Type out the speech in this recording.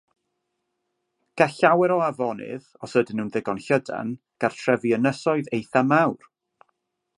Gall llawer o afonydd, os ydyn nhw'n ddigon llydan, gartrefu ynysoedd eithaf mawr.